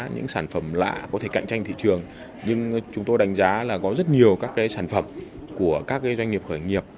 những sản phẩm lạ có thể cạnh tranh thị trường nhưng chúng tôi đánh giá là có rất nhiều các sản phẩm của các doanh nghiệp khởi nghiệp